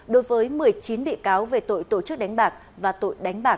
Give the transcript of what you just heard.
đối với một mươi chín bị cáo về tội tổ chức đánh bạc và tội đánh bạc